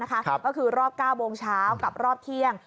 ก็คือรอบ๙โมงเช้ากับรอบเที่ยง